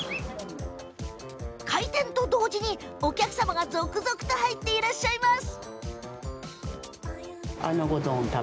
開店と同時に、お客様が続々と入っていらっしゃいます。